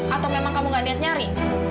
atau memang kamu gak lihat nyari